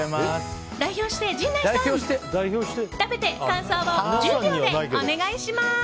代表して陣内さん、食べて感想を１０秒でお願いします。